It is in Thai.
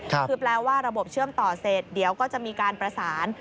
คือแปลว่าระบบเชื่อมต่อเสร็จเดี๋ยวก็จะมีการประสาน